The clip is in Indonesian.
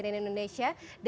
dan tapi cnn indonesia